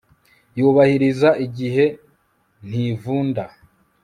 yubahiriza igihe, ntivunda